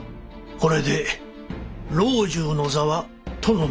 これで老中の座は殿のもの。